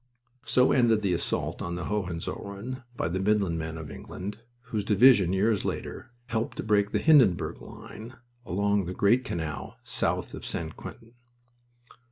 So ended the assault on the Hohenzollern by the Midland men of England, whose division, years later, helped to break the Hindenburg line along the great canal south of St. Quentin.